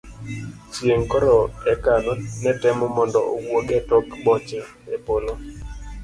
chieng' koro eka netemo mondo owuog e tok boche e polo